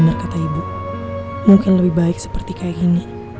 benar kata ibu mungkin lebih baik seperti kayak gini